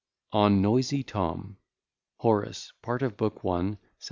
] ON NOISY TOM HORACE, PART OF BOOK I, SAT.